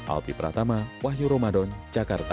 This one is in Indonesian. alpi pratama wahyu romadhon jakarta